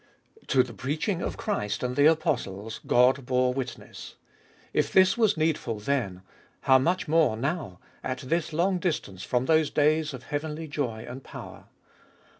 8. To the preaching of Christ and the apostles God bore witness. If this was needful then, how much more now, at this long distance from those days of heauenly joy and power.